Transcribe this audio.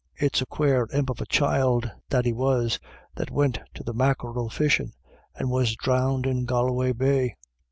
It's a quare imp of a child Thady was, that wint to the mackerel fishing and was dhrownded in Galway Bay."